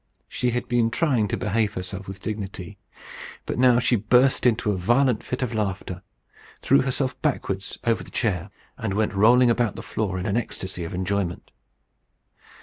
She had been trying to behave herself with dignity; but now she burst into a violent fit of laughter, threw herself backwards over the chair, and went rolling about the floor in an ecstasy of enjoyment.